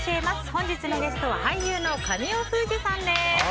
本日のゲストは俳優の神尾楓珠さんです。